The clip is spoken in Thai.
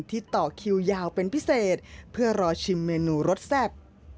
ต่อคิวยาวเป็นพิเศษเพื่อรอชิมเมนูรสแซ่บ